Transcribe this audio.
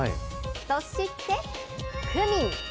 そしてクミン。